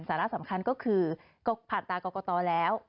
สาระสำคัญก็คือก็ผ่านตากรกตแล้ว